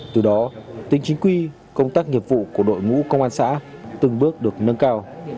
từ đó tính chính quy công tác nghiệp vụ của đội ngũ công an xã từng bước được nâng cao